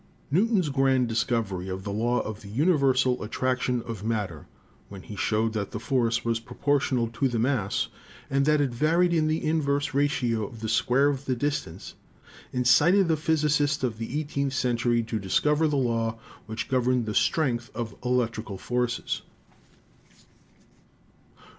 Newton's grand discovery of the law of the universal attraction of matter, when he showed that the force was proportional to the mass and that it varied in the inverse ratio of the square of the distance, incited the physicists of the eighteenth century to discover the law which gov erned the strength of electrical forces.